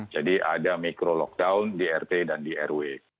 jadi ada mikro lockdown di rt dan di rw